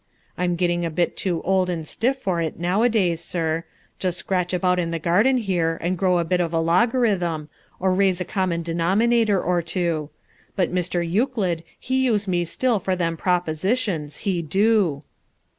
I'm getting a bit too old and stiff for it nowadays, sir just scratch about in the garden here and grow a bit of a logarithm, or raise a common denominator or two. But Mr. Euclid he use me still for them propositions, he do."